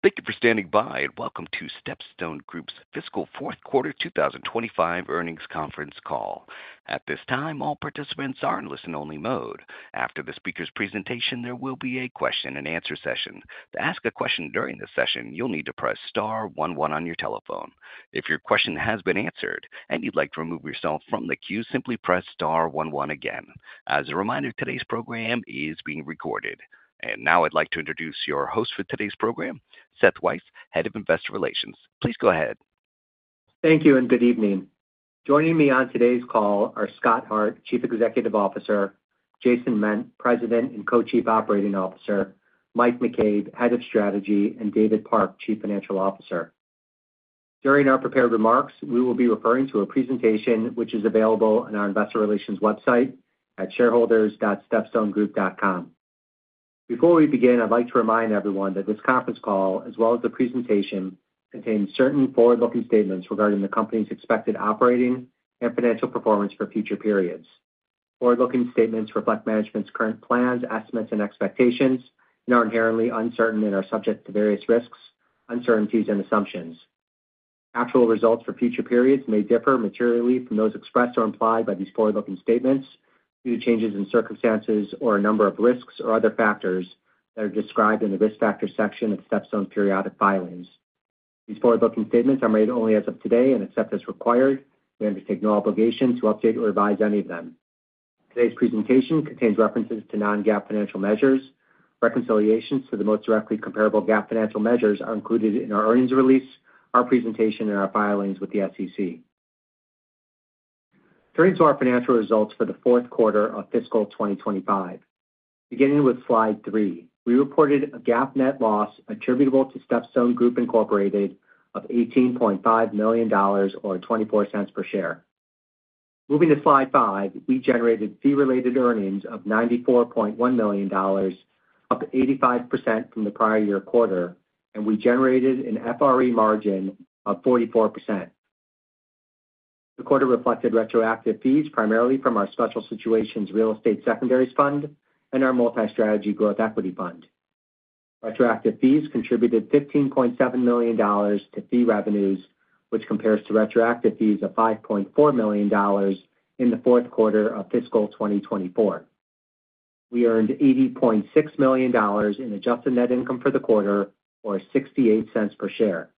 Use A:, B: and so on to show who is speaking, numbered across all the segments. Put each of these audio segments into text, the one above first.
A: Thank you for standing by and welcome to StepStone Group's fiscal fourth quarter 2025 earnings conference call. At this time, all participants are in listen-only mode. After the speaker's presentation, there will be a question-and-answer session. To ask a question during this session, you'll need to press star one one on your telephone. If your question has been answered and you'd like to remove yourself from the queue, simply press star one one again. As a reminder, today's program is being recorded. Now I'd like to introduce your host for today's program, Seth Weiss, Head of Investor Relations. Please go ahead.
B: Thank you and good evening. Joining me on today's call are Scott Hart, Chief Executive Officer; Jason Ment, President and Co-Chief Operating Officer; Mike McCabe, Head of Strategy; and David Park, Chief Financial Officer. During our prepared remarks, we will be referring to a presentation which is available on our Investor Relations website at shareholders.stepstonegroup.com. Before we begin, I'd like to remind everyone that this conference call, as well as the presentation, contains certain forward-looking statements regarding the company's expected operating and financial performance for future periods. Forward-looking statements reflect management's current plans, estimates, and expectations, and are inherently uncertain and are subject to various risks, uncertainties, and assumptions. Actual results for future periods may differ materially from those expressed or implied by these forward-looking statements due to changes in circumstances or a number of risks or other factors that are described in the risk factor section of StepStone's periodic filings. These forward-looking statements are made only as of today and except as required. We undertake no obligation to update or revise any of them. Today's presentation contains references to non-GAAP financial measures. Reconciliations to the most directly comparable GAAP financial measures are included in our earnings release, our presentation, and our filings with the SEC. Turning to our financial results for the fourth quarter of fiscal 2025, beginning with slide three, we reported a GAAP net loss attributable to StepStone Group Inc of $18.5 million or $0.24 per share. Moving to slide five, we generated fee-related earnings of $94.1 million, up 85% from the prior year quarter, and we generated an FRE margin of 44%. The quarter reflected retroactive fees primarily from our Special Situations Real Estate Secondaries Fund and our multi-strategy growth equity fund. Retroactive fees contributed $15.7 million to fee revenues, which compares to retroactive fees of $5.4 million in the fourth quarter of fiscal 2024. We earned $80.6 million in adjusted net income for the quarter, or $0.68 per share.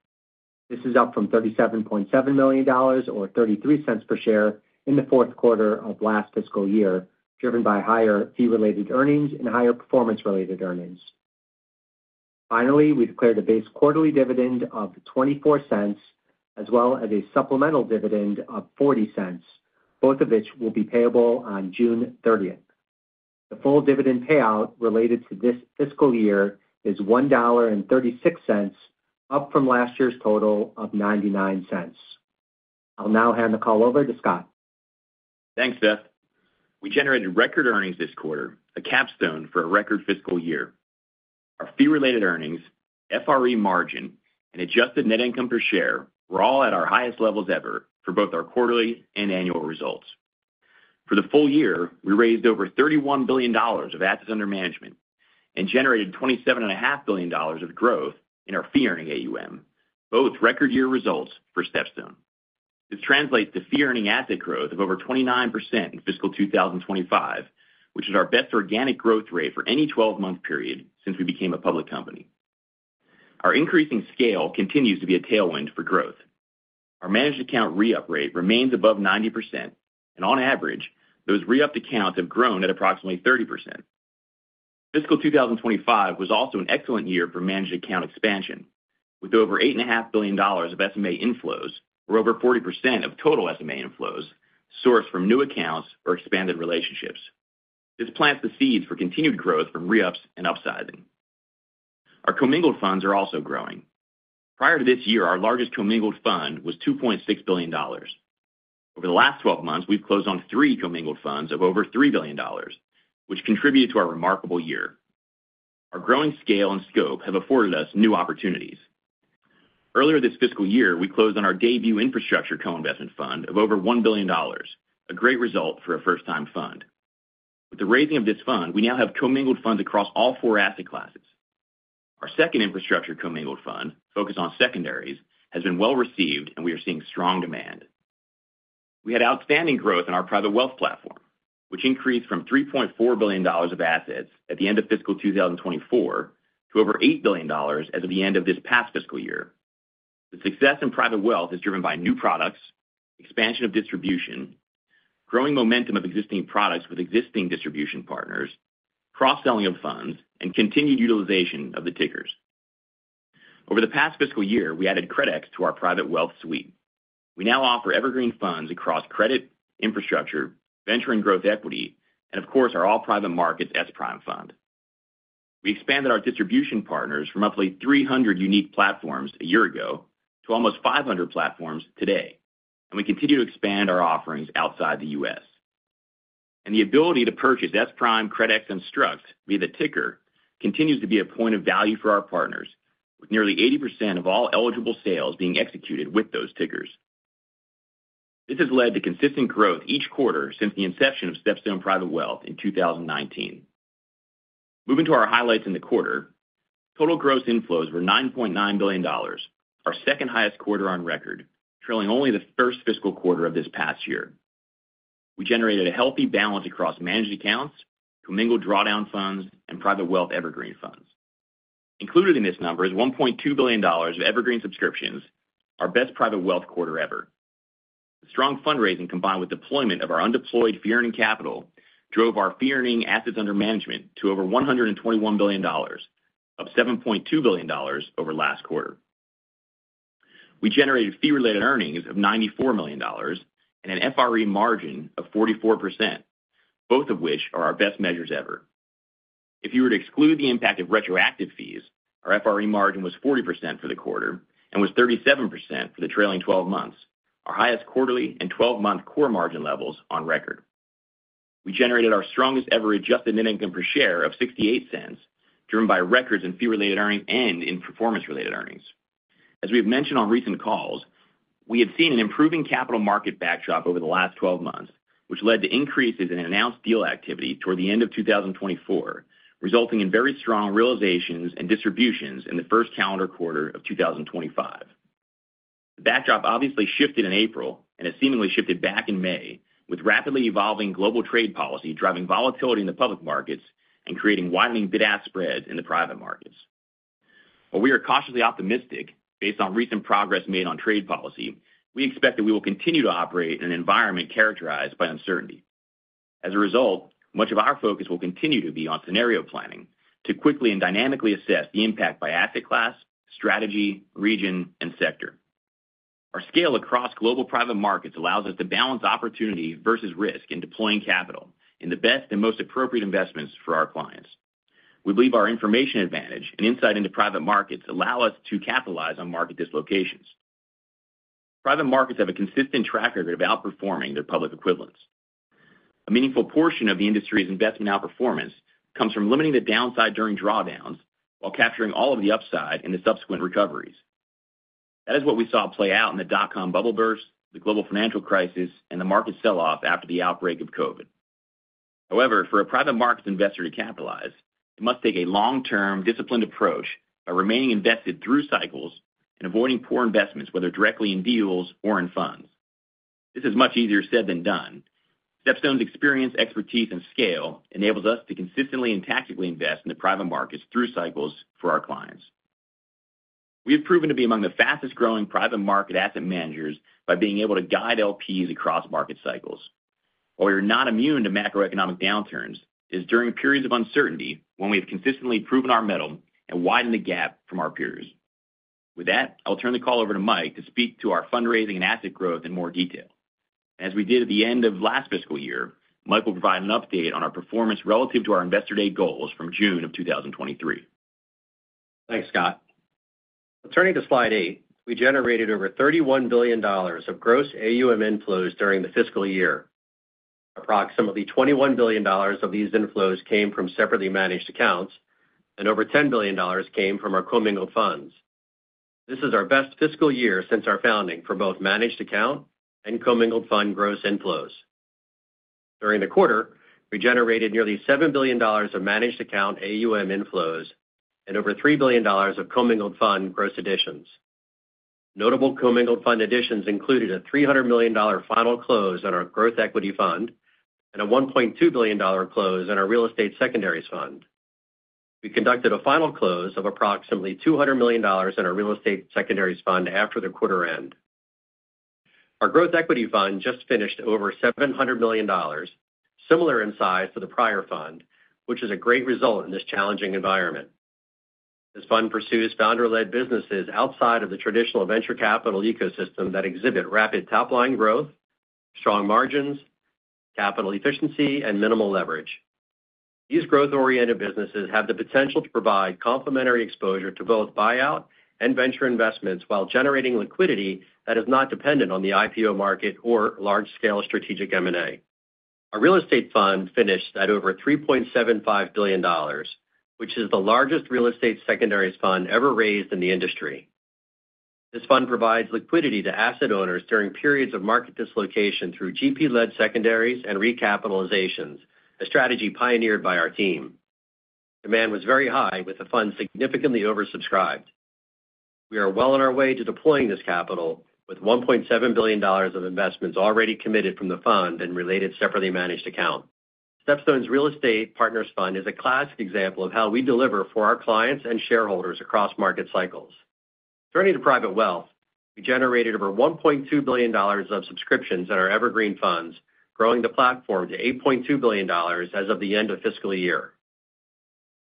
B: This is up from $37.7 million or $0.33 per share in the fourth quarter of last fiscal year, driven by higher fee-related earnings and higher performance-related earnings. Finally, we declared a base quarterly dividend of $0.24, as well as a supplemental dividend of $0.40, both of which will be payable on June 30th. The full dividend payout related to this fiscal year is $1.36, up from last year's total of $0.99. I'll now hand the call over to Scott.
C: Thanks, Seth. We generated record earnings this quarter, a capstone for a record fiscal year. Our fee-related earnings, FRE margin, and adjusted net income per share were all at our highest levels ever for both our quarterly and annual results. For the full year, we raised over $31 billion of assets under management and generated $27.5 billion of growth in our fee-earning AUM, both record-year results for StepStone. This translates to fee-earning asset growth of over 29% in fiscal 2025, which is our best organic growth rate for any 12-month period since we became a public company. Our increasing scale continues to be a tailwind for growth. Our managed account re-up rate remains above 90%, and on average, those re-upped accounts have grown at approximately 30%. Fiscal 2025 was also an excellent year for managed account expansion, with over $8.5 billion of SMA inflows, or over 40% of total SMA inflows, sourced from new accounts or expanded relationships. This plants the seeds for continued growth from re-ups and upsizing. Our commingled funds are also growing. Prior to this year, our largest commingled fund was $2.6 billion. Over the last 12 months, we have closed on three commingled funds of over $3 billion, which contributed to our remarkable year. Our growing scale and scope have afforded us new opportunities. Earlier this fiscal year, we closed on our debut infrastructure co-investment fund of over $1 billion, a great result for a first-time fund. With the raising of this fund, we now have commingled funds across all four asset classes. Our second infrastructure commingled fund, focused on secondaries, has been well received, and we are seeing strong demand. We had outstanding growth in our private wealth platform, which increased from $3.4 billion of assets at the end of fiscal 2024 to over $8 billion as of the end of this past fiscal year. The success in private wealth is driven by new products, expansion of distribution, growing momentum of existing products with existing distribution partners, cross-selling of funds, and continued utilization of the tickers. Over the past fiscal year, we added CRDEX to our private wealth suite. We now offer evergreen funds across credit, infrastructure, venture, and growth equity, and of course, our all-private markets SPRIM fund. We expanded our distribution partners from roughly 300 unique platforms a year ago to almost 500 platforms today, and we continue to expand our offerings outside the U.S. The ability to purchase SPRIM, CRDEX, and STRUX via the ticker continues to be a point of value for our partners, with nearly 80% of all eligible sales being executed with those tickers. This has led to consistent growth each quarter since the inception of StepStone Private Wealth in 2019. Moving to our highlights in the quarter, total gross inflows were $9.9 billion, our second-highest quarter on record, trailing only the first fiscal quarter of this past year. We generated a healthy balance across managed accounts, commingled drawdown funds, and private wealth evergreen funds. Included in this number is $1.2 billion of evergreen subscriptions, our best private wealth quarter ever. The strong fundraising combined with deployment of our undeployed fee-earning capital drove our fee-earning assets under management to over $121 billion, up $7.2 billion over last quarter. We generated fee-related earnings of $94 million and an FRE margin of 44%, both of which are our best measures ever. If you were to exclude the impact of retroactive fees, our FRE margin was 40% for the quarter and was 37% for the trailing 12 months, our highest quarterly and 12-month core margin levels on record. We generated our strongest-ever adjusted net income per share of $0.68, driven by records in fee-related earnings and in performance-related earnings. As we've mentioned on recent calls, we had seen an improving capital market backdrop over the last 12 months, which led to increases in announced deal activity toward the end of 2024, resulting in very strong realizations and distributions in the first calendar quarter of 2025. The backdrop obviously shifted in April and has seemingly shifted back in May, with rapidly evolving global trade policy driving volatility in the public markets and creating widening bid-ask spreads in the private markets. While we are cautiously optimistic based on recent progress made on trade policy, we expect that we will continue to operate in an environment characterized by uncertainty. As a result, much of our focus will continue to be on scenario planning to quickly and dynamically assess the impact by asset class, strategy, region, and sector. Our scale across global private markets allows us to balance opportunity versus risk in deploying capital in the best and most appropriate investments for our clients. We believe our information advantage and insight into private markets allow us to capitalize on market dislocations. Private markets have a consistent track record of outperforming their public equivalents. A meaningful portion of the industry's investment outperformance comes from limiting the downside during drawdowns while capturing all of the upside in the subsequent recoveries. That is what we saw play out in the dot-com bubble burst, the global financial crisis, and the market sell-off after the outbreak of COVID. However, for a private markets investor to capitalize, it must take a long-term, disciplined approach by remaining invested through cycles and avoiding poor investments, whether directly in deals or in funds. This is much easier said than done. StepStone's experience, expertise, and scale enable us to consistently and tactically invest in the private markets through cycles for our clients. We have proven to be among the fastest-growing private market asset managers by being able to guide LPs across market cycles. While we are not immune to macroeconomic downturns, it is during periods of uncertainty when we have consistently proven our mettle and widened the gap from our peers. With that, I'll turn the call over to Mike to speak to our fundraising and asset growth in more detail. As we did at the end of last fiscal year, Mike will provide an update on our performance relative to our investor-day goals from June of 2023.
D: Thanks, Scott. Turning to slide eight, we generated over $31 billion of gross AUM inflows during the fiscal year. Approximately $21 billion of these inflows came from separately managed accounts, and over $10 billion came from our commingled funds. This is our best fiscal year since our founding for both managed account and commingled fund gross inflows. During the quarter, we generated nearly $7 billion of managed account AUM inflows and over $3 billion of commingled fund gross additions. Notable commingled fund additions included a $300 million final close on our growth equity fund and a $1.2 billion close on our real estate secondaries fund. We conducted a final close of approximately $200 million on our real estate secondaries fund after the quarter end. Our growth equity fund just finished over $700 million, similar in size to the prior fund, which is a great result in this challenging environment. This fund pursues founder-led businesses outside of the traditional venture capital ecosystem that exhibit rapid top-line growth, strong margins, capital efficiency, and minimal leverage. These growth-oriented businesses have the potential to provide complementary exposure to both buyout and venture investments while generating liquidity that is not dependent on the IPO market or large-scale strategic M&A. Our real estate fund finished at over $3.75 billion, which is the largest real estate secondaries fund ever raised in the industry. This fund provides liquidity to asset owners during periods of market dislocation through GP-led secondaries and recapitalizations, a strategy pioneered by our team. Demand was very high, with the fund significantly oversubscribed. We are well on our way to deploying this capital, with $1.7 billion of investments already committed from the fund and related separately managed account. StepStone's real estate partners fund is a classic example of how we deliver for our clients and shareholders across market cycles. Turning to private wealth, we generated over $1.2 billion of subscriptions in our evergreen funds, growing the platform to $8.2 billion as of the end of fiscal year.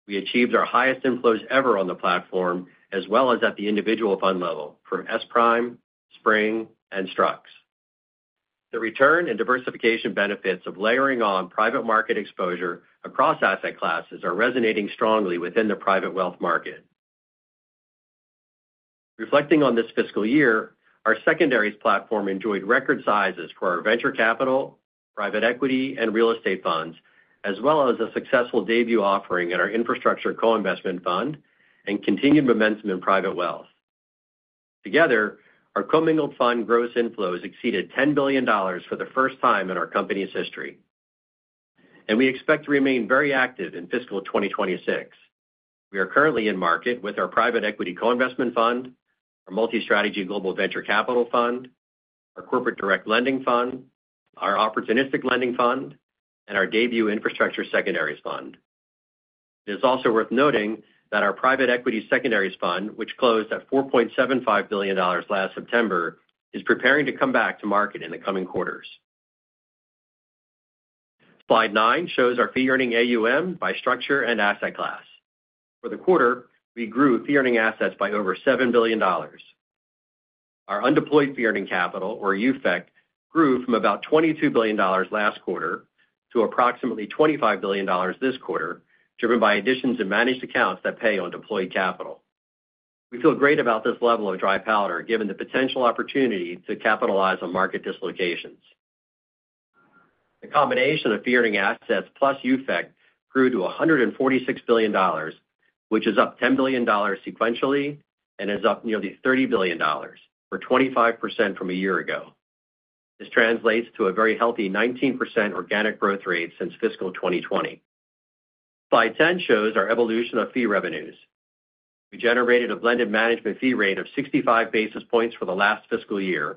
D: We achieved our highest inflows ever on the platform, as well as at the individual fund level for SPRIM, SPRING and STRUX. The return and diversification benefits of layering on private market exposure across asset classes are resonating strongly within the private wealth market. Reflecting on this fiscal year, our secondaries platform enjoyed record sizes for our venture capital, private equity, and real estate funds, as well as a successful debut offering in our infrastructure co-investment fund and continued momentum in private wealth. Together, our commingled fund gross inflows exceeded $10 billion for the first time in our company's history, and we expect to remain very active in fiscal 2026. We are currently in market with our private equity co-investment fund, our multi-strategy global venture capital fund, our corporate direct lending fund, our opportunistic lending fund, and our debut infrastructure secondaries fund. It is also worth noting that our private equity secondaries fund, which closed at $4.75 billion last September, is preparing to come back to market in the coming quarters. Slide nine shows our fee-earning AUM by structure and asset class. For the quarter, we grew fee-earning assets by over $7 billion. Our undeployed fee-earning capital, or UFEC, grew from about $22 billion last quarter to approximately $25 billion this quarter, driven by additions in managed accounts that pay on deployed capital. We feel great about this level of dry powder given the potential opportunity to capitalize on market dislocations. The combination of fee-earning assets plus UFEC grew to $146 billion, which is up $10 billion sequentially and is up nearly $30 billion, or 25% from a year ago. This translates to a very healthy 19% organic growth rate since fiscal 2020. Slide 10 shows our evolution of fee revenues. We generated a blended management fee rate of 65 basis points for the last fiscal year,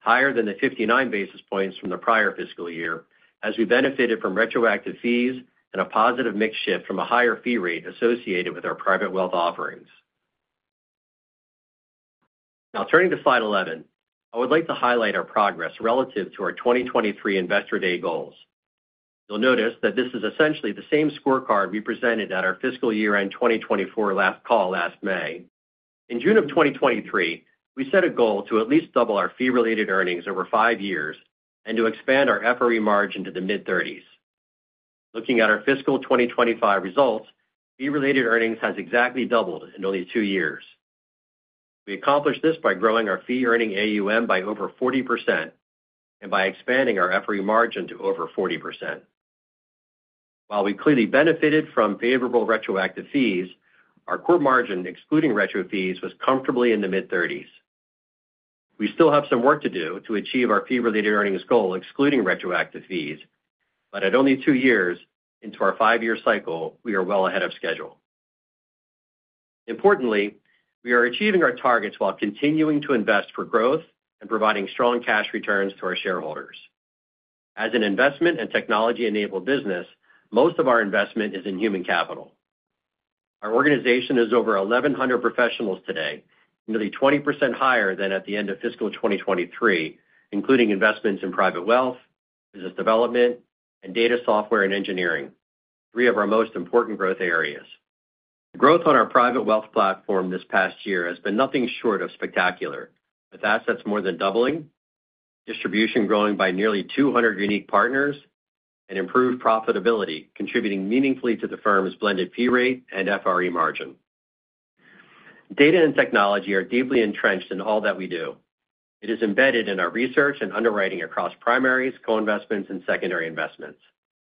D: higher than the 59 basis points from the prior fiscal year, as we benefited from retroactive fees and a positive mix shift from a higher fee rate associated with our private wealth offerings. Now, turning to slide 11, I would like to highlight our progress relative to our 2023 investor-day goals. You'll notice that this is essentially the same scorecard we presented at our fiscal year-end 2024 last call last May. In June of 2023, we set a goal to at least double our fee-related earnings over five years and to expand our FRE margin to the mid-30s. Looking at our fiscal 2025 results, fee-related earnings has exactly doubled in only two years. We accomplished this by growing our fee-earning AUM by over 40% and by expanding our FRE margin to over 40%. While we clearly benefited from favorable retroactive fees, our core margin, excluding retro fees, was comfortably in the mid-30s. We still have some work to do to achieve our fee-related earnings goal, excluding retroactive fees, but at only two years into our five-year cycle, we are well ahead of schedule. Importantly, we are achieving our targets while continuing to invest for growth and providing strong cash returns to our shareholders. As an investment and technology-enabled business, most of our investment is in human capital. Our organization has over 1,100 professionals today, nearly 20% higher than at the end of fiscal 2023, including investments in private wealth, business development, and data software and engineering, three of our most important growth areas. The growth on our private wealth platform this past year has been nothing short of spectacular, with assets more than doubling, distribution growing by nearly 200 unique partners, and improved profitability contributing meaningfully to the firm's blended fee rate and FRE margin. Data and technology are deeply entrenched in all that we do. It is embedded in our research and underwriting across primaries, co-investments, and secondary investments.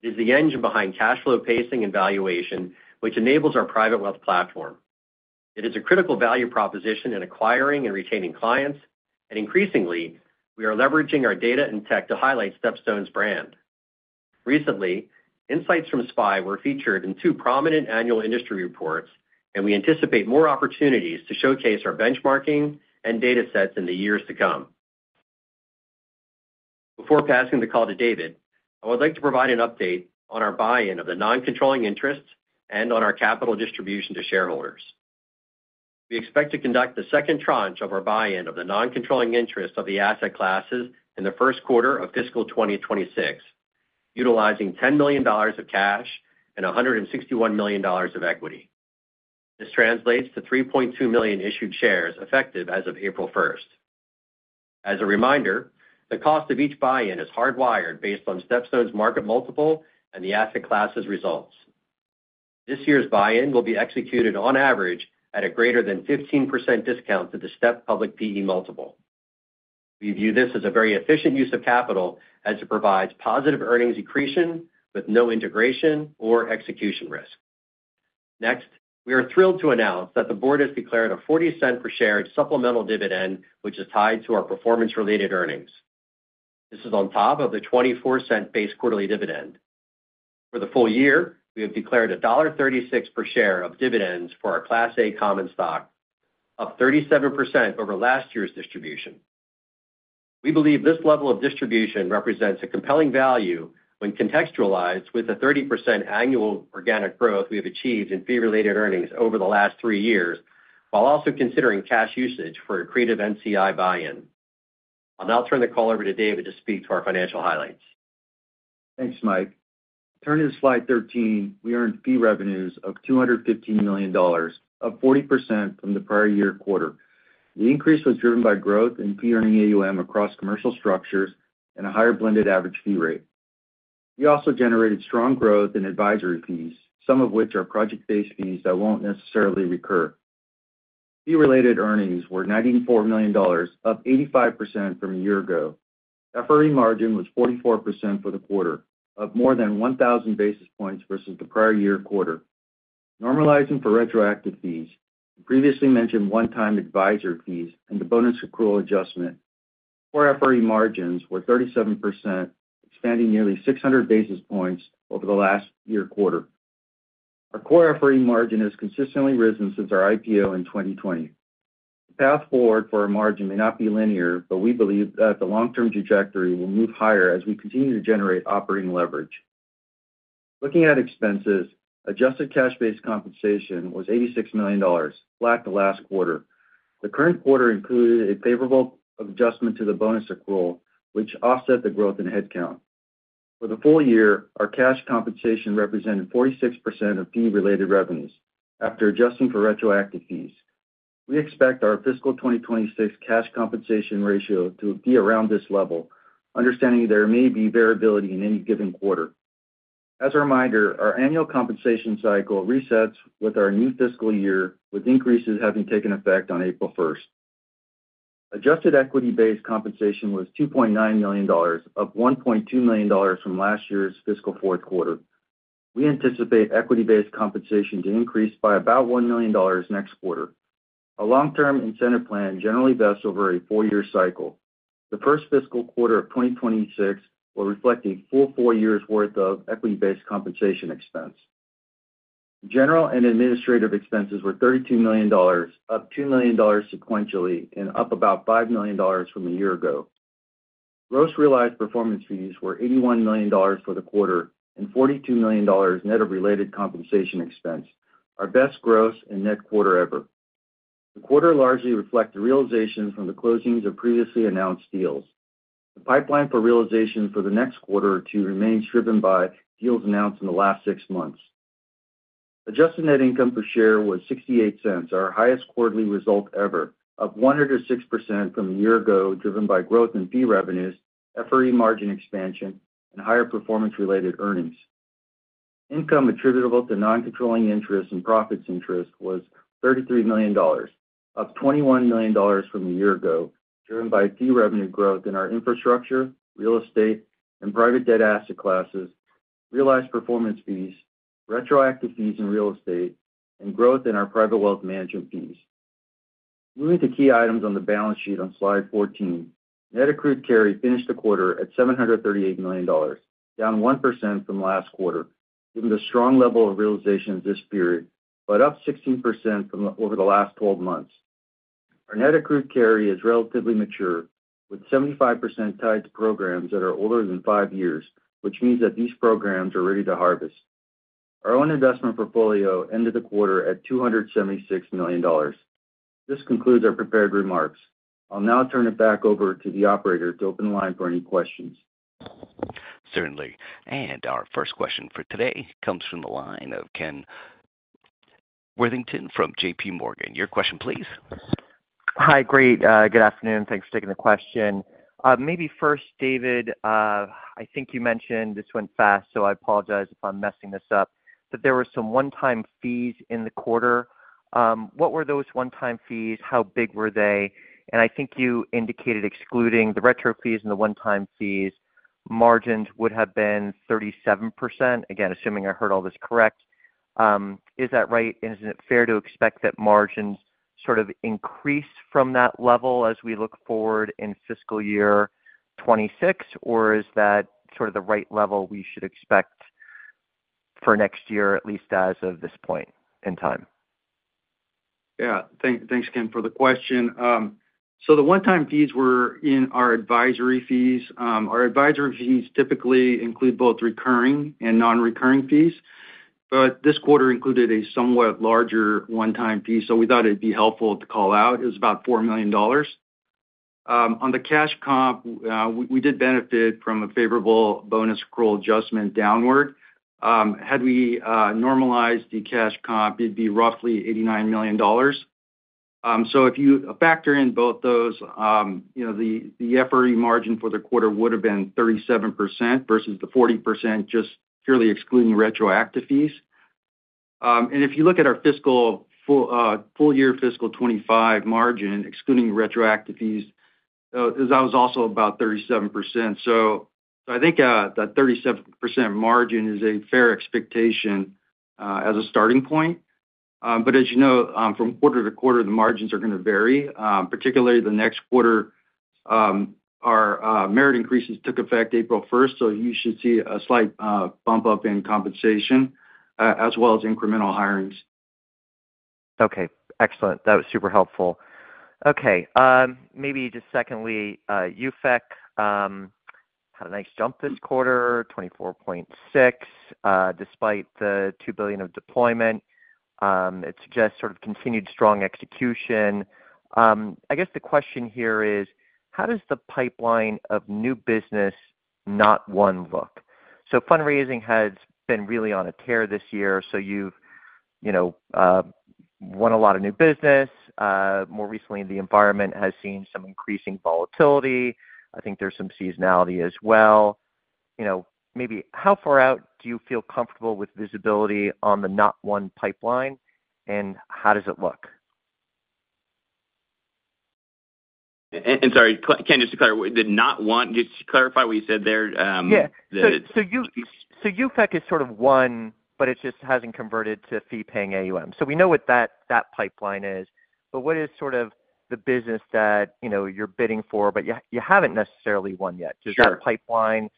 D: It is the engine behind cash flow pacing and valuation, which enables our private wealth platform. It is a critical value proposition in acquiring and retaining clients, and increasingly, we are leveraging our data and tech to highlight StepStone's brand. Recently, insights from SPI were featured in two prominent annual industry reports, and we anticipate more opportunities to showcase our benchmarking and data sets in the years to come. Before passing the call to David, I would like to provide an update on our buy-in of the non-controlling interests and on our capital distribution to shareholders. We expect to conduct the second tranche of our buy-in of the non-controlling interests of the asset classes in the first quarter of fiscal 2026, utilizing $10 million of cash and $161 million of equity. This translates to 3.2 million issued shares effective as of April 1st. As a reminder, the cost of each buy-in is hardwired based on StepStone's market multiple and the asset class's results. This year's buy-in will be executed on average at a greater than 15% discount to the STEP public PE multiple. We view this as a very efficient use of capital as it provides positive earnings accretion with no integration or execution risk. Next, we are thrilled to announce that the board has declared a $0.40 per share supplemental dividend, which is tied to our performance-related earnings. This is on top of the $0.24 base quarterly dividend. For the full year, we have declared $1.36 per share of dividends for our Class A common stock, up 37% over last year's distribution. We believe this level of distribution represents a compelling value when contextualized with the 30% annual organic growth we have achieved in fee-related earnings over the last three years, while also considering cash usage for accretive NCI buy-in. I'll now turn the call over to David to speak to our financial highlights.
E: Thanks, Mike. Turning to slide 13, we earned fee revenues of $215 million, up 40% from the prior year quarter. The increase was driven by growth in fee-earning AUM across commercial structures and a higher blended average fee rate. We also generated strong growth in advisory fees, some of which are project-based fees that won't necessarily recur. Fee-related earnings were $94 million, up 85% from a year ago. FRE margin was 44% for the quarter, up more than 1,000 basis points versus the prior year quarter. Normalizing for retroactive fees, the previously mentioned one-time advisory fees, and the bonus accrual adjustment, core FRE margins were 37%, expanding nearly 600 basis points over the last year quarter. Our core FRE margin has consistently risen since our IPO in 2020. The path forward for our margin may not be linear, but we believe that the long-term trajectory will move higher as we continue to generate operating leverage. Looking at expenses, adjusted cash-based compensation was $86 million, flat the last quarter. The current quarter included a favorable adjustment to the bonus accrual, which offset the growth in headcount. For the full year, our cash compensation represented 46% of fee-related revenues after adjusting for retroactive fees. We expect our fiscal 2026 cash compensation ratio to be around this level, understanding there may be variability in any given quarter. As a reminder, our annual compensation cycle resets with our new fiscal year, with increases having taken effect on April 1. Adjusted equity-based compensation was $2.9 million, up $1.2 million from last year's fiscal fourth quarter. We anticipate equity-based compensation to increase by about $1 million next quarter. A long-term incentive plan generally vests over a four-year cycle. The first fiscal quarter of 2026 will reflect a full four years' worth of equity-based compensation expense. General and administrative expenses were $32 million, up $2 million sequentially, and up about $5 million from a year ago. Gross realized performance fees were $81 million for the quarter and $42 million net of related compensation expense, our best gross and net quarter ever. The quarter largely reflects the realizations from the closings of previously announced deals. The pipeline for realization for the next quarter or two remains driven by deals announced in the last six months. Adjusted net income per share was $0.68, our highest quarterly result ever, up 106% from a year ago, driven by growth in fee revenues, FRE margin expansion, and higher performance-related earnings. Income attributable to non-controlling interest and profits interest was $33 million, up $21 million from a year ago, driven by fee revenue growth in our infrastructure, real estate, and private debt asset classes, realized performance fees, retroactive fees in real estate, and growth in our private wealth management fees. Moving to key items on the balance sheet on slide 14, net accrued carry finished the quarter at $738 million, down 1% from last quarter, given the strong level of realizations this period, but up 16% from over the last 12 months. Our net accrued carry is relatively mature, with 75% tied to programs that are older than five years, which means that these programs are ready to harvest. Our own investment portfolio ended the quarter at $276 million. This concludes our prepared remarks. I'll now turn it back over to the operator to open the line for any questions.
A: Certainly. Our first question for today comes from the line of Ken Worthington from JPMorgan. Your question, please.
F: Hi, great. Good afternoon. Thanks for taking the question. Maybe first, David, I think you mentioned this went fast, so I apologize if I'm messing this up, that there were some one-time fees in the quarter. What were those one-time fees? How big were they? I think you indicated excluding the retro fees and the one-time fees, margins would have been 37%, again, assuming I heard all this correct. Is that right? Is it fair to expect that margins sort of increase from that level as we look forward in fiscal year 2026? Or is that sort of the right level we should expect for next year, at least as of this point in time?
E: Yeah. Thanks, Ken, for the question. The one-time fees were in our advisory fees. Our advisory fees typically include both recurring and non-recurring fees, but this quarter included a somewhat larger one-time fee, so we thought it'd be helpful to call out. It was about $4 million. On the cash comp, we did benefit from a favorable bonus accrual adjustment downward. Had we normalized the cash comp, it'd be roughly $89 million. If you factor in both those, the FRE margin for the quarter would have been 37% versus the 40% just purely excluding retroactive fees. If you look at our full year fiscal 2025 margin, excluding retroactive fees, that was also about 37%. I think that 37% margin is a fair expectation as a starting point. As you know, from quarter to quarter, the margins are going to vary, particularly the next quarter. Our merit increases took effect April 1, so you should see a slight bump up in compensation, as well as incremental hirings.
F: Okay. Excellent. That was super helpful. Okay. Maybe just secondly, UFEC had a nice jump this quarter, $24.6 billion, despite the $2 billion of deployment. It suggests sort of continued strong execution. I guess the question here is, how does the pipeline of new business, not won, look? So fundraising has been really on a tear this year. So you've won a lot of new business. More recently, the environment has seen some increasing volatility. I think there's some seasonality as well. Maybe how far out do you feel comfortable with visibility on the not-won pipeline, and how does it look?
C: Sorry, Ken, just to clarify, did not—one, just clarify what you said there?
F: Yeah. UFEC is sort of one, but it just hasn't converted to fee-paying AUM. We know what that pipeline is. What is sort of the business that you're bidding for, but you haven't necessarily won yet? Does that pipeline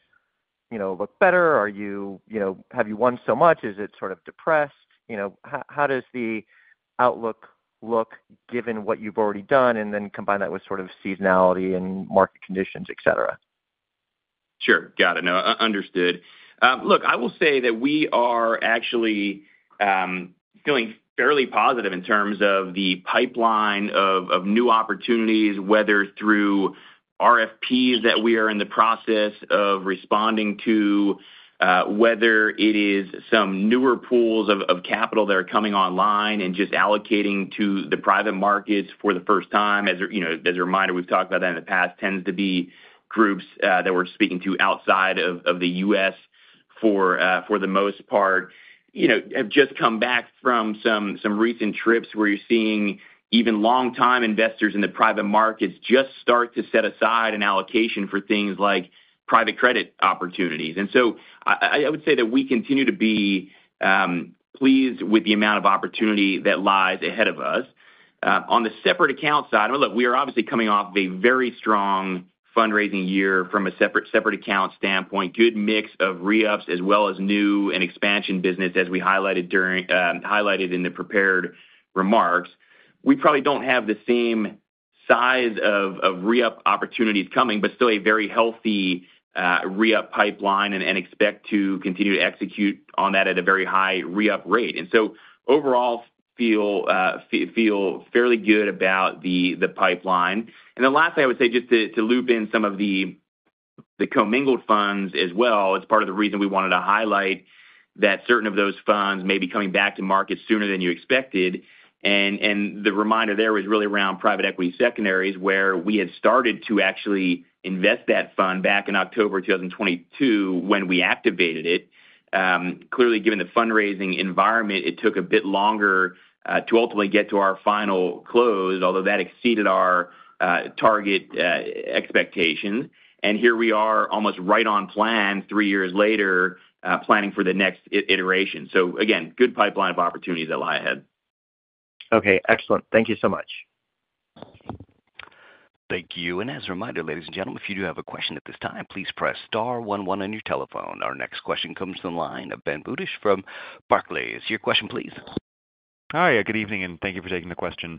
F: look better? Have you won so much? Is it sort of depressed? How does the outlook look given what you've already done, and then combine that with sort of seasonality and market conditions, etc.?
C: Sure. Got it. No, understood. Look, I will say that we are actually feeling fairly positive in terms of the pipeline of new opportunities, whether through RFPs that we are in the process of responding to, whether it is some newer pools of capital that are coming online and just allocating to the private markets for the first time. As a reminder, we've talked about that in the past, tends to be groups that we're speaking to outside of the U.S. for the most part, have just come back from some recent trips where you're seeing even long-time investors in the private markets just start to set aside an allocation for things like private credit opportunities. I would say that we continue to be pleased with the amount of opportunity that lies ahead of us. On the separate account side, look, we are obviously coming off of a very strong fundraising year from a separate account standpoint, good mix of re-ups as well as new and expansion business, as we highlighted in the prepared remarks. We probably do not have the same size of re-up opportunities coming, but still a very healthy re-up pipeline and expect to continue to execute on that at a very high re-up rate. Overall, feel fairly good about the pipeline. Lastly, I would say just to loop in some of the commingled funds as well. It is part of the reason we wanted to highlight that certain of those funds may be coming back to market sooner than you expected. The reminder there was really around private equity secondaries, where we had started to actually invest that fund back in October 2022 when we activated it. Clearly, given the fundraising environment, it took a bit longer to ultimately get to our final close, although that exceeded our target expectations. Here we are, almost right on plan, three years later, planning for the next iteration. Again, good pipeline of opportunities that lie ahead.
F: Okay. Excellent. Thank you so much.
A: Thank you. As a reminder, ladies and gentlemen, if you do have a question at this time, please press star one one on your telephone. Our next question comes from the line of Ben Budish from Barclays. Your question, please.
G: Hi. Good evening, and thank you for taking the question.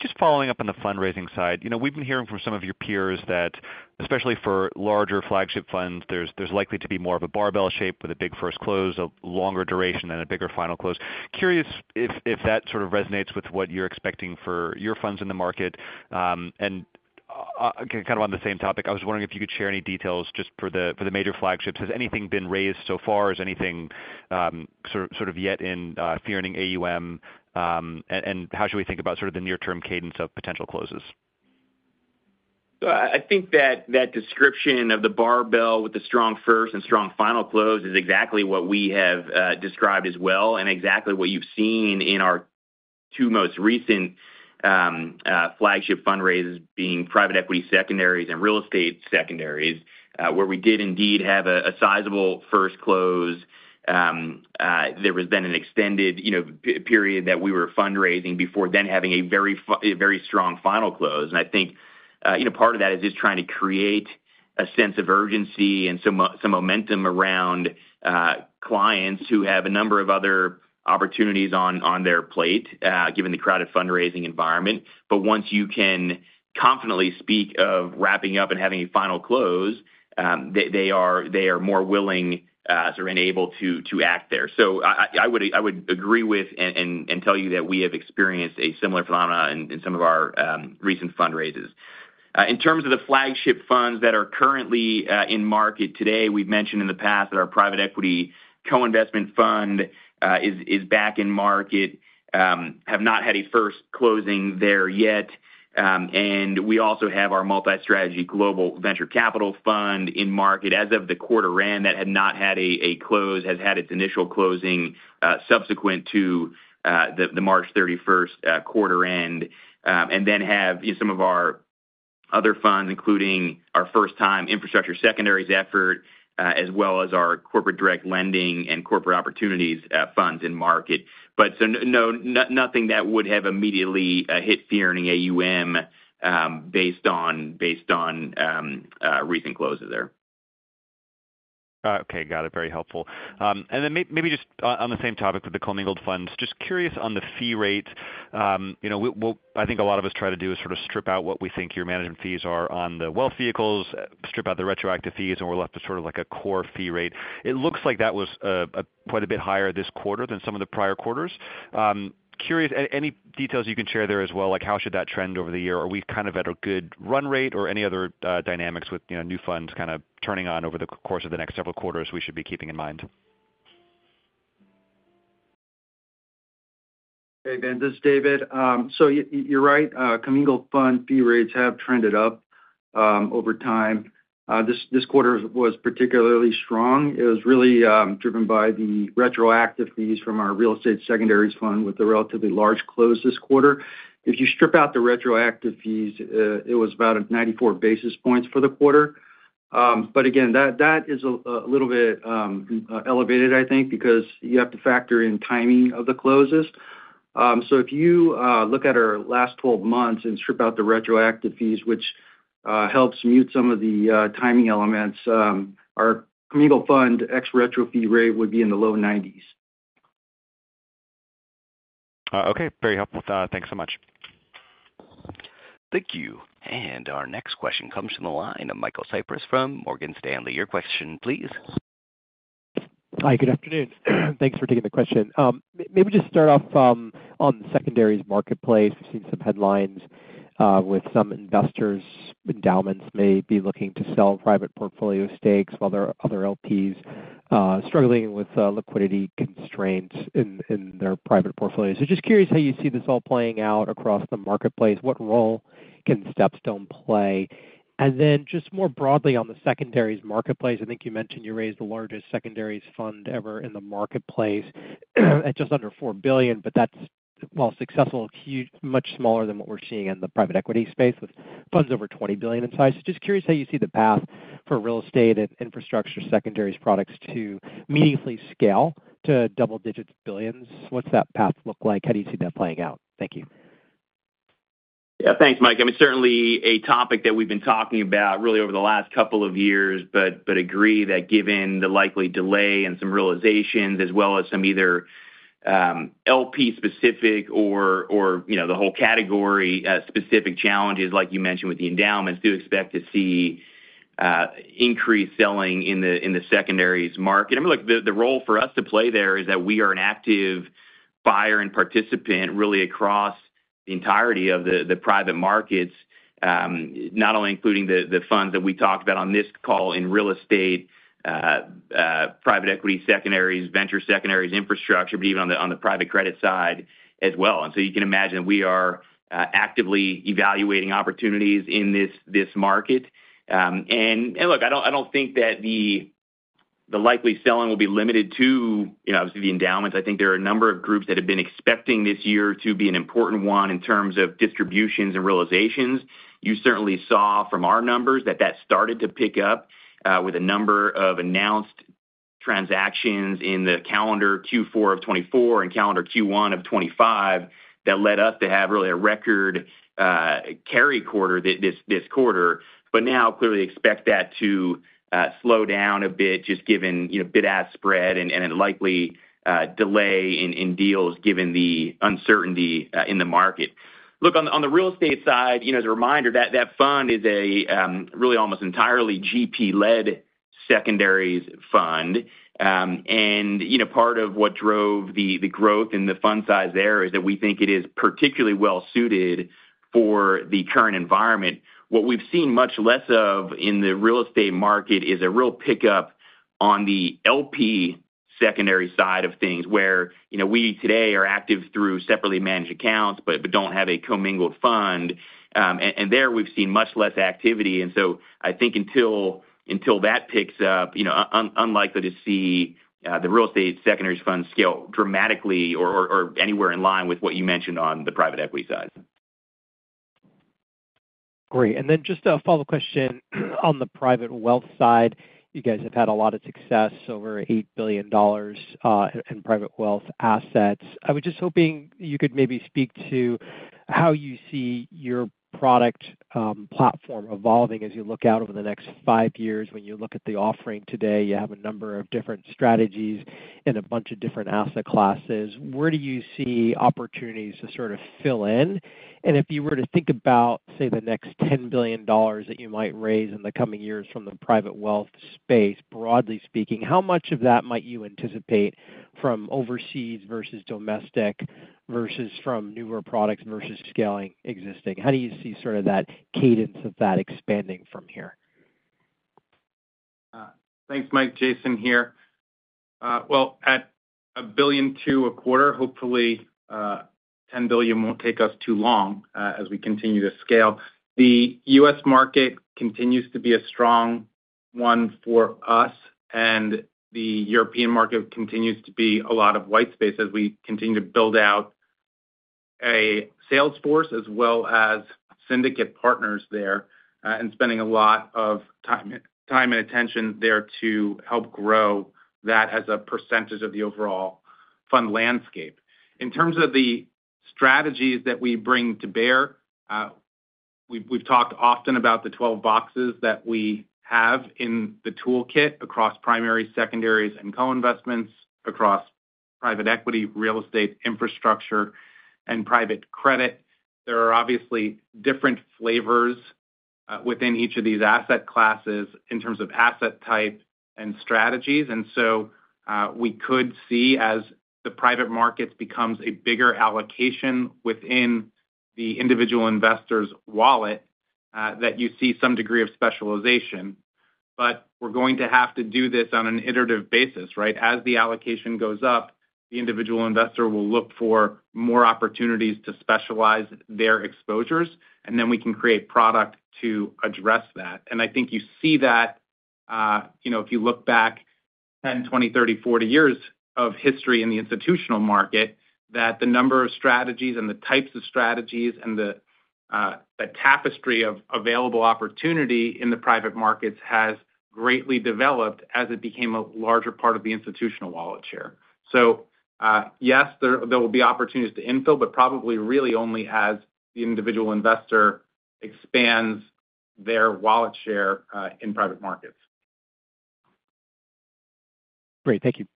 G: Just following up on the fundraising side, we've been hearing from some of your peers that, especially for larger flagship funds, there's likely to be more of a barbell shape with a big first close, a longer duration, and a bigger final close. Curious if that sort of resonates with what you're expecting for your funds in the market. Kind of on the same topic, I was wondering if you could share any details just for the major flagships. Has anything been raised so far? Is anything sort of yet in fee-earning AUM? How should we think about sort of the near-term cadence of potential closes?
C: I think that description of the barbell with the strong first and strong final close is exactly what we have described as well, and exactly what you've seen in our two most recent flagship fundraisers being private equity secondaries and real estate secondaries, where we did indeed have a sizable first close. There was then an extended period that we were fundraising before then having a very strong final close. I think part of that is just trying to create a sense of urgency and some momentum around clients who have a number of other opportunities on their plate, given the crowded fundraising environment. Once you can confidently speak of wrapping up and having a final close, they are more willing and able to act there. I would agree with and tell you that we have experienced a similar phenomenon in some of our recent fundraisers. In terms of the flagship funds that are currently in market today, we've mentioned in the past that our private equity co-investment fund is back in market, have not had a first closing there yet. We also have our multi-strategy global venture capital fund in market. As of the quarter end, that had not had a close, has had its initial closing subsequent to the March 31, 2025 quarter end. We then have some of our other funds, including our first-time infrastructure secondaries effort, as well as our corporate direct lending and corporate opportunities funds in market. No, nothing that would have immediately hit fee-earning AUM based on recent closes there.
G: Okay. Got it. Very helpful. Maybe just on the same topic with the commingled funds, just curious on the fee rate. I think a lot of us try to do is sort of strip out what we think your management fees are on the wealth vehicles, strip out the retroactive fees, and we are left with sort of like a core fee rate. It looks like that was quite a bit higher this quarter than some of the prior quarters. Curious, any details you can share there as well? How should that trend over the year? Are we kind of at a good run rate or any other dynamics with new funds kind of turning on over the course of the next several quarters we should be keeping in mind?
E: Hey, Ben. This is David. So you're right. Commingled fund fee rates have trended up over time. This quarter was particularly strong. It was really driven by the retroactive fees from our real estate secondaries fund with a relatively large close this quarter. If you strip out the retroactive fees, it was about 94 basis points for the quarter. But again, that is a little bit elevated, I think, because you have to factor in timing of the closes. If you look at our last 12 months and strip out the retroactive fees, which helps mute some of the timing elements, our commingled fund ex-retro fee rate would be in the low 90s.
G: Okay. Very helpful. Thanks so much.
A: Thank you. Our next question comes from the line of Michael Cyprys from Morgan Stanley. Your question, please.
H: Hi. Good afternoon. Thanks for taking the question. Maybe just start off on the secondaries marketplace. We've seen some headlines with some investors' endowments may be looking to sell private portfolio stakes, while other LPs struggling with liquidity constraints in their private portfolio. Just curious how you see this all playing out across the marketplace. What role can StepStone play? More broadly on the secondaries marketplace, I think you mentioned you raised the largest secondaries fund ever in the marketplace at just under $4 billion, but that's, while successful, much smaller than what we're seeing in the private equity space with funds over $20 billion in size. Just curious how you see the path for real estate and infrastructure secondaries products to immediately scale to double-digit billions. What's that path look like? How do you see that playing out? Thank you.
C: Yeah. Thanks, Mike. I mean, certainly a topic that we've been talking about really over the last couple of years, but agree that given the likely delay and some realizations, as well as some either LP-specific or the whole category-specific challenges, like you mentioned with the endowments, do expect to see increased selling in the secondaries market. I mean, look, the role for us to play there is that we are an active buyer and participant really across the entirety of the private markets, not only including the funds that we talked about on this call in real estate, private equity secondaries, venture secondaries, infrastructure, but even on the private credit side as well. You can imagine that we are actively evaluating opportunities in this market. I don't think that the likely selling will be limited to, obviously, the endowments. I think there are a number of groups that have been expecting this year to be an important one in terms of distributions and realizations. You certainly saw from our numbers that that started to pick up with a number of announced transactions in the calendar Q4 of 2024 and calendar Q1 of 2025 that led us to have really a record carry quarter this quarter. Now clearly expect that to slow down a bit just given bid-ask spread and a likely delay in deals given the uncertainty in the market. Look, on the real estate side, as a reminder, that fund is a really almost entirely GP-led secondaries fund. Part of what drove the growth in the fund size there is that we think it is particularly well-suited for the current environment. What we've seen much less of in the real estate market is a real pickup on the LP secondary side of things, where we today are active through separately managed accounts but do not have a commingled fund. There we've seen much less activity. I think until that picks up, unlikely to see the real estate secondaries fund scale dramatically or anywhere in line with what you mentioned on the private equity side.
H: Great. And then just a follow-up question on the private wealth side. You guys have had a lot of success, over $8 billion in private wealth assets. I was just hoping you could maybe speak to how you see your product platform evolving as you look out over the next five years. When you look at the offering today, you have a number of different strategies and a bunch of different asset classes. Where do you see opportunities to sort of fill in? And if you were to think about, say, the next $10 billion that you might raise in the coming years from the private wealth space, broadly speaking, how much of that might you anticipate from overseas versus domestic versus from newer products versus scaling existing? How do you see sort of that cadence of that expanding from here?
I: Thanks, Mike. Jason here. At a billion to a quarter, hopefully $10 billion will not take us too long as we continue to scale. The U.S. market continues to be a strong one for us, and the European market continues to be a lot of white space as we continue to build out a sales force as well as syndicate partners there and spending a lot of time and attention there to help grow that as a percentage of the overall fund landscape. In terms of the strategies that we bring to bear, we have talked often about the 12 boxes that we have in the toolkit across primary, secondaries, and co-investments across private equity, real estate, infrastructure, and private credit. There are obviously different flavors within each of these asset classes in terms of asset type and strategies. We could see as the private markets becomes a bigger allocation within the individual investor's wallet that you see some degree of specialization. We're going to have to do this on an iterative basis, right? As the allocation goes up, the individual investor will look for more opportunities to specialize their exposures, and then we can create product to address that. I think you see that if you look back 10, 20, 30, 40 years of history in the institutional market, that the number of strategies and the types of strategies and the tapestry of available opportunity in the private markets has greatly developed as it became a larger part of the institutional wallet share. Yes, there will be opportunities to infill, but probably really only as the individual investor expands their wallet share in private markets.
H: Great. Thank you.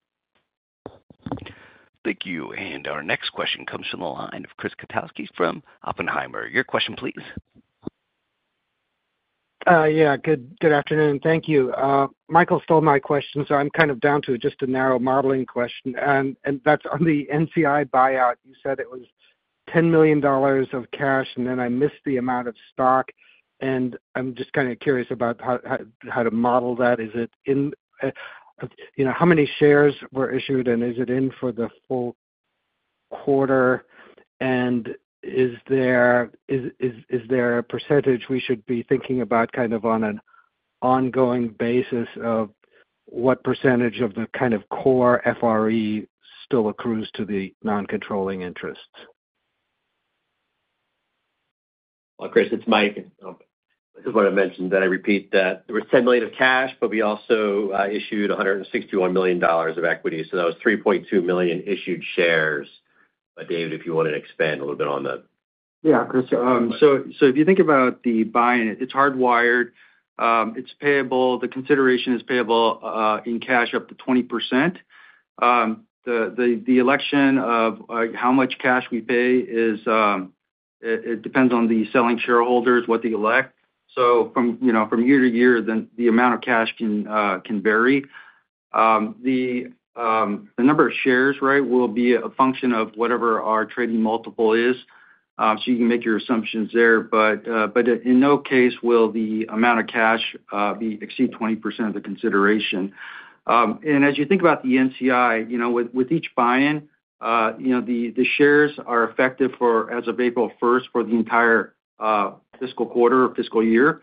A: Thank you. Our next question comes from the line of Chris Kotowski from Oppenheimer. Your question, please.
J: Yeah. Good afternoon. Thank you. Michael stole my question, so I'm kind of down to just a narrow modeling question. That is on the NCI buyout. You said it was $10 million of cash, and then I missed the amount of stock. I'm just kind of curious about how to model that. Is it in how many shares were issued, and is it in for the full quarter? Is there a percentage we should be thinking about kind of on an ongoing basis of what percentage of the kind of core FRE still accrues to the non-controlling interests?
D: Chris, it's Mike. I just want to mention that I repeat that there was $10 million of cash, but we also issued $161 million of equity. So that was 3.2 million issued shares. But David, if you want to expand a little bit on that.
E: Yeah, Chris. If you think about the buy-in, it's hardwired. It's payable. The consideration is payable in cash up to 20%. The election of how much cash we pay depends on the selling shareholders, what they elect. From year to year, the amount of cash can vary. The number of shares, right, will be a function of whatever our trading multiple is. You can make your assumptions there. In no case will the amount of cash exceed 20% of the consideration. As you think about the NCI, with each buy-in, the shares are effective as of April 1 for the entire fiscal quarter or fiscal year.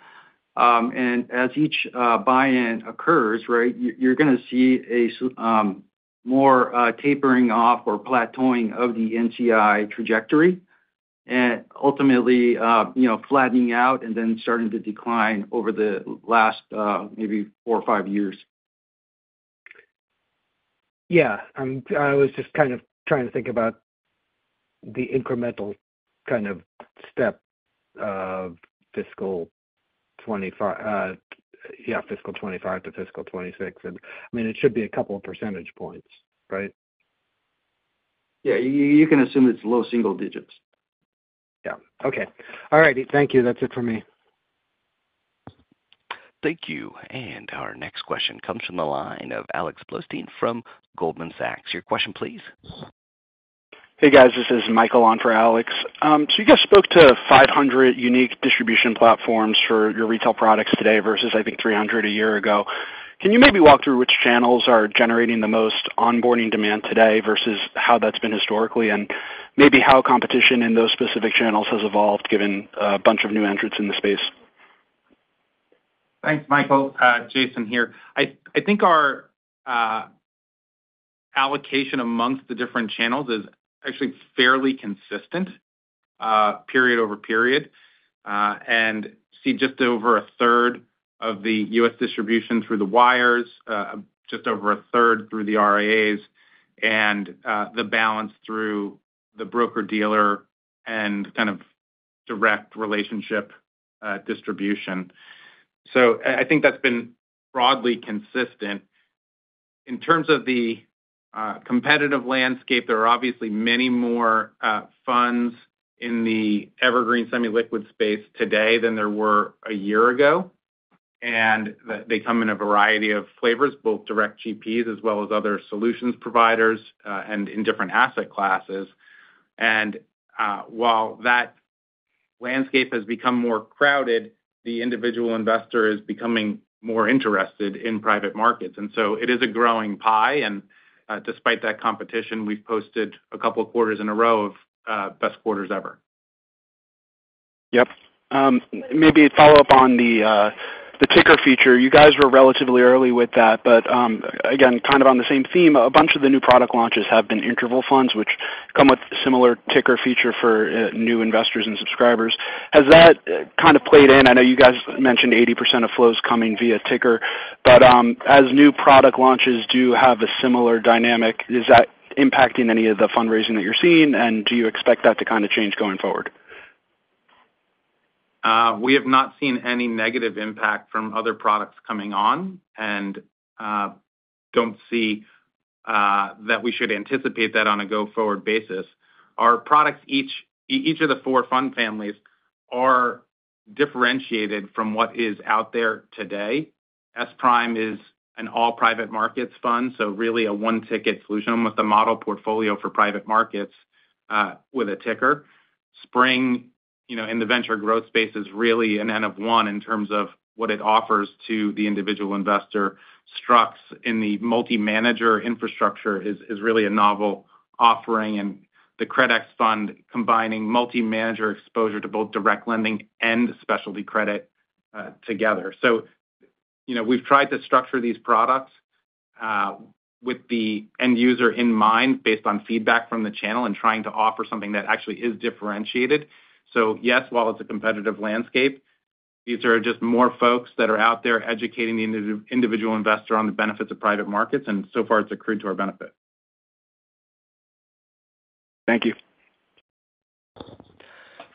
E: As each buy-in occurs, right, you're going to see a more tapering off or plateauing of the NCI trajectory and ultimately flattening out and then starting to decline over the last maybe four or five years.
J: Yeah. I was just kind of trying to think about the incremental kind of step of fiscal 2025 to fiscal 2026. And I mean, it should be a couple of percentage points, right?
E: Yeah. You can assume it's low single-digits.
J: Yeah. Okay. All righty. Thank you. That's it for me.
A: Thank you. Our next question comes from the line of Alex Blostein from Goldman Sachs. Your question, please. Hey, guys. This is Michael on for Alex. So you guys spoke to 500 unique distribution platforms for your retail products today versus, I think, 300 a year ago. Can you maybe walk through which channels are generating the most onboarding demand today versus how that's been historically and maybe how competition in those specific channels has evolved given a bunch of new entrants in the space?
I: Thanks, Michael. Jason here. I think our allocation amongst the different channels is actually fairly consistent period over period. You see just over a third of the US distribution through the wires, just over a third through the RIAs, and the balance through the broker-dealer and kind of direct relationship distribution. I think that's been broadly consistent. In terms of the competitive landscape, there are obviously many more funds in the evergreen semi-liquid space today than there were a year ago. They come in a variety of flavors, both direct GPs as well as other solutions providers and in different asset classes. While that landscape has become more crowded, the individual investor is becoming more interested in private markets. It is a growing pie. Despite that competition, we've posted a couple of quarters in a row of best quarters ever. Yep. Maybe follow up on the ticker feature. You guys were relatively early with that. Again, kind of on the same theme, a bunch of the new product launches have been interval funds, which come with similar ticker feature for new investors and subscribers. Has that kind of played in? I know you guys mentioned 80% of flows coming via ticker. As new product launches do have a similar dynamic, is that impacting any of the fundraising that you're seeing? Do you expect that to kind of change going forward? We have not seen any negative impact from other products coming on. Do not see that we should anticipate that on a go-forward basis. Our products, each of the four fund families, are differentiated from what is out there today. SPRIM is an all-private markets fund, so really a one-ticket solution with a model portfolio for private markets with a ticker. SPRING, in the venture growth space, is really an N of one in terms of what it offers to the individual investor. STRUX in the multi-manager infrastructure is really a novel offering. The CRDEX fund combining multi-manager exposure to both direct lending and specialty credit together. We have tried to structure these products with the end user in mind based on feedback from the channel and trying to offer something that actually is differentiated. Yes, while it's a competitive landscape, these are just more folks that are out there educating the individual investor on the benefits of private markets. And so far, it's accrued to our benefit. Thank you.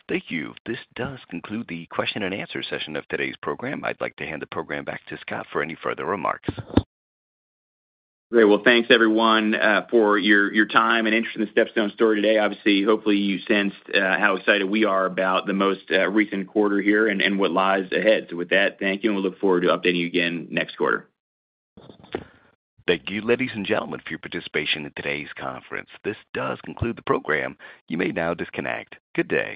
A: Thank you. This does conclude the question and answer session of today's program. I'd like to hand the program back to Scott for any further remarks.
C: Great. Thanks, everyone, for your time and interest in the StepStone story today. Obviously, hopefully, you sensed how excited we are about the most recent quarter here and what lies ahead. With that, thank you. We look forward to updating you again next quarter.
A: Thank you, ladies and gentlemen, for your participation in today's conference. This does conclude the program. You may now disconnect. Good day.